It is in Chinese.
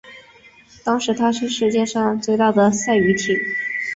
当时她是世界最大的赛渔艇。